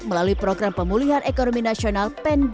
melalui program pemulihan ekonomi nasional pen dua ribu dua puluh satu